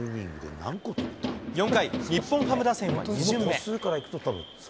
４回、日本ハム打線は２巡目。